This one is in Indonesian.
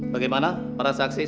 bagaimana para saksi sah